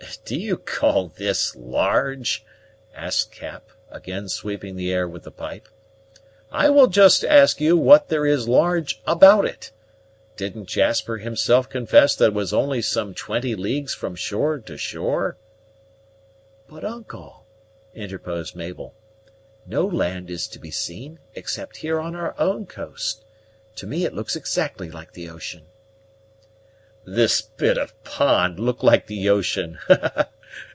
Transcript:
"Do you call this large?" asked Cap, again sweeping the air with the pipe. "I will just ask you what there is large about it? Didn't Jasper himself confess that it was only some twenty leagues from shore to shore?" "But, uncle," interposed Mabel, "no land is to be seen, except here on our own coast. To me it looks exactly like the ocean." "This bit of a pond look like the ocean!